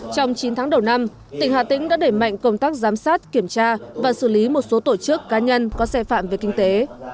trong chín tháng đầu năm tỉnh hà tĩnh đã đẩy mạnh công tác giám sát kiểm tra và xử lý một số tổ chức cá nhân có xe phạm về kinh tế